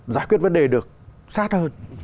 giải quyết vấn đề được sát hơn